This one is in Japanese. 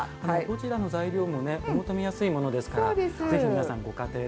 どちらの材料もねお求めやすいものですからぜひ皆さんご家庭でも試してみて下さい。